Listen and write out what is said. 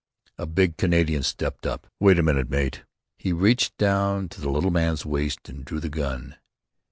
A big Canadian stepped up: "Wait a minute, mate." He reached down to the little man's waist and drew the gun.